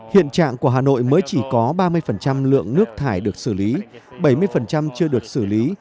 hiện trạng của hà nội mới chỉ có ba mươi lượng nước thải được xử lý bảy mươi chưa được xử lý